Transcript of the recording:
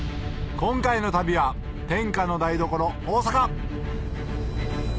今回の旅は天下の台所大阪！